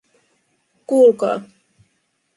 Kuulkaa.